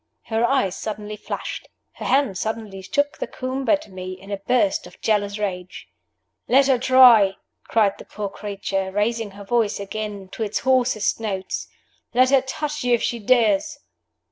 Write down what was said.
Her eyes suddenly flashed, her hand suddenly shook the comb at me, in a burst of jealous rage. "Let her try!" cried the poor creature, raising her voice again to its hoarsest notes. "Let her touch you if she dares!"